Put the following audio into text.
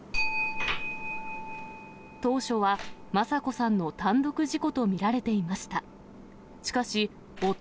当初は昌子さんの単独事故と見られていました。